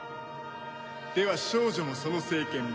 では少女もその聖剣も。